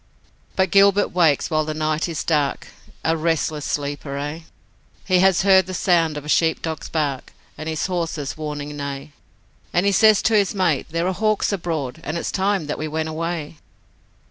But Gilbert wakes while the night is dark A restless sleeper, aye, He has heard the sound of a sheep dog's bark, And his horse's warning neigh, And he says to his mate, 'There are hawks abroad, And it's time that we went away.'